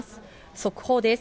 速報です。